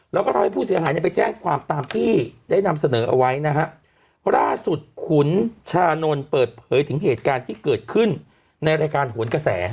แล้วก็ทำให้ผู้เสียหายเนี่ยไปแจ้งความตามที่ได้นำเสนอเอาไว้นะฮะล่าสุดขุนชานนท์เปิดเผยถึงเหตุการณ์ที่เกิดขึ้นในรายการโหนกระแส